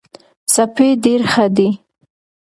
سپی ډېر ښه دی.